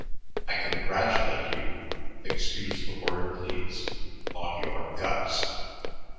I congratulate you excuse the word, please on your guts."